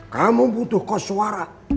kamu butuh kos suara